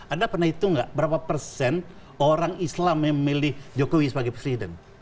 anda pernah hitung nggak berapa persen orang islam memilih jokowi sebagai presiden